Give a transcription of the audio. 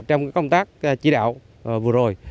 trong công tác chỉ đạo vừa rồi